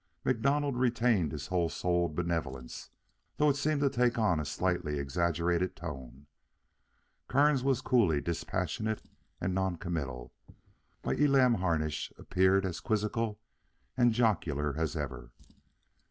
MacDonald retained his whole souled benevolence, though it seemed to take on a slightly exaggerated tone. Kearns was coolly dispassionate and noncommittal, while Elam Harnish appeared as quizzical and jocular as ever.